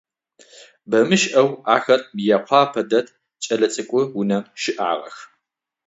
Бэмышӏэу ахэр Мыекъуапэ дэт кӏэлэцӏыкӏу унэм щыӏагъэх.